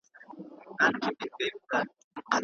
يوولس عدد دئ.